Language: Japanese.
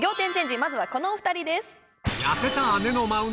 まずはこのお２人です。